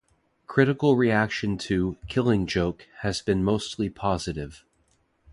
Critical reaction to "Killing Joke" has been mostly positive.